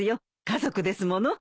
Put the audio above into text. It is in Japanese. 家族ですもの。